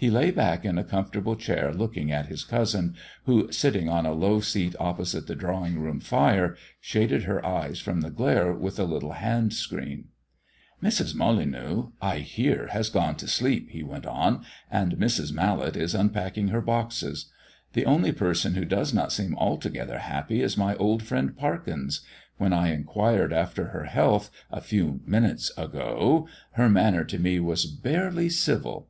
He lay back in a comfortable chair looking at his cousin, who, sitting on a low seat opposite the drawing room fire, shaded her eyes from the glare with a little hand screen. "Mrs. Molyneux, I hear, has gone to sleep," he went on; "and Mrs. Mallet is unpacking her boxes. The only person who does not seem altogether happy is my old friend Parkins. When I inquired after her health a few minutes ago her manner to me was barely civil."